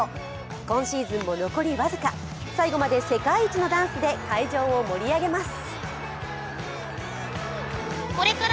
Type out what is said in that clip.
今シーズンも残り僅か、最後まで世界一のダンスで会場を盛り上げます。